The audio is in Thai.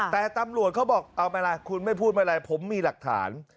แต่ตำรวจเขาบอกเอาเป็นไรคุณไม่พูดอะไรผมมีหลักฐาน